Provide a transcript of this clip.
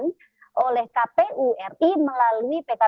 kemudian hari ini kita melihat bagaimana kemunduran itu juga disuntikkan